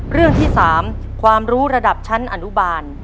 เรื่องที่๓ความรู้ระดับชั้นอนุบาล